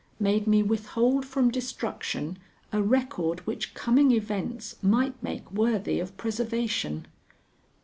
made me withhold from destruction a record which coming events might make worthy of preservation.